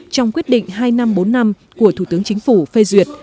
trong quyết định hai năm bốn năm của thủ tướng chính phủ phê duyệt